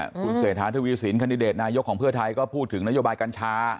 คุณเศรษฐาทวีสินคันดิเดตนายกของเพื่อไทยก็พูดถึงนโยบายกัญชา